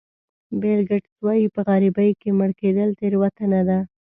بیل ګېټس وایي په غریبۍ کې مړ کېدل تېروتنه ده.